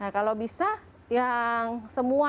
kalau bisa yang semua